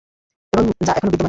এবং যা এখনো বিদ্যমান।